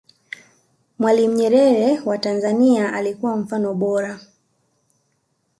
mwalimu nyerere wa tanzania alikuwa mfano bora